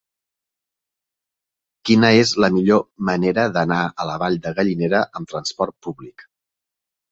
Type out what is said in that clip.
Quina és la millor manera d'anar a la Vall de Gallinera amb transport públic?